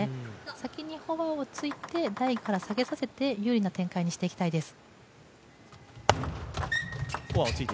先にフォアを突いて台から下げさせて有利な展開にしていきたいです。